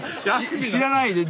知らないで。